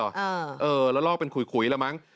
แล้วลอกเป็นขุยแล้วมั้ง